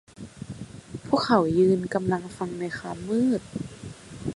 พวกเขายืนกำลังฟังในความมืด